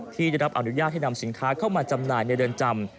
ที่ได้รับอนุญาตให้นำสินค้าเข้ามาจำหน่ายในเรือนจำ